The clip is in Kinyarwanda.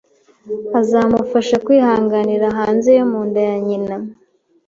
azamufasha kwihanganira hanze yo munda ya nyina.